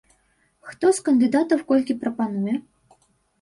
Хто з кандыдатаў колькі прапануе?